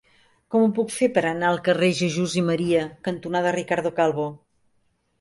Com ho puc fer per anar al carrer Jesús i Maria cantonada Ricardo Calvo?